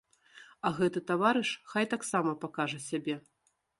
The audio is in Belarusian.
А гэты таварыш хай таксама пакажа сябе.